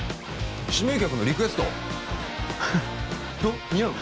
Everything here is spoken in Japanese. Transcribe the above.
指名客のリクエストどう？